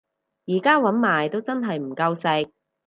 而家搵埋都真係唔夠食